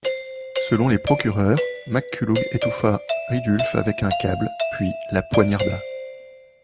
Selon les procureurs, McCullough étouffa Ridulph avec une câble puis la poignarda.